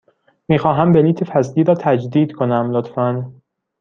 می خواهم بلیط فصلی را تجدید کنم، لطفاً.